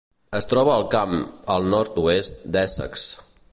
Es troba al camp al nord-oest d'Essex.